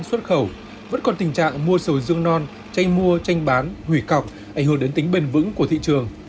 xuất khẩu vẫn còn tình trạng mua sầu riêng non tranh mua tranh bán hủy cọc ảnh hưởng đến tính bền vững của thị trường